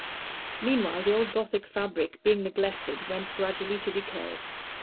Meanwhile the old Gothic fabric, being neglected, went gradually to decay.